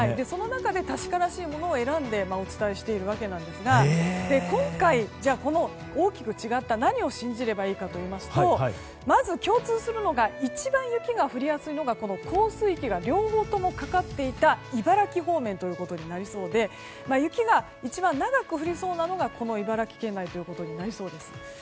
その中で確からしいものを選んでお伝えしているわけですが今回、大きく違った何を信じればいいかといいますと共通するのは一番雪が降りやすいのが降水域が２つともかかっていた茨城方面ということで雪が一番長く降りそうなのが茨城県内となりそうです。